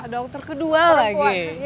dokter kedua lagi